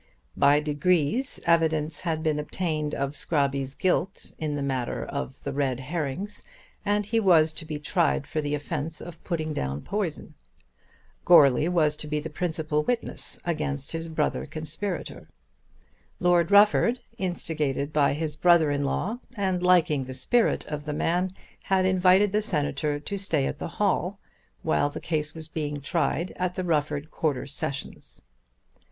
By degrees evidence had been obtained of Scrobby's guilt in the matter of the red herrings, and he was to be tried for the offence of putting down poison. Goarly was to be the principal witness against his brother conspirator. Lord Rufford, instigated by his brother in law, and liking the spirit of the man, had invited the Senator to stay at the Hall while the case was being tried at the Rufford Quarter Sessions.